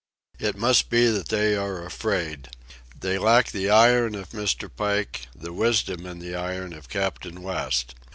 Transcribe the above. It must be that they are afraid. They lack the iron of Mr. Pike, the wisdom and the iron of Captain West.